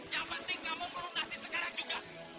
yang penting kamu perlu nasi sekarang juga